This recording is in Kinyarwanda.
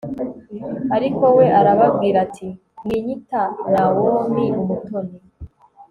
ariko we arababwira ati mwinyita nawomi (umutoni)